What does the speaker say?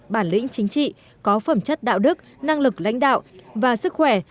bản lĩnh chính trị có phẩm chất đạo đức năng lực lãnh đạo và sức khỏe